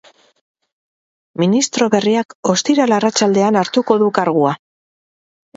Ministro berriak ostiral arratsaldean hartuko du kargua.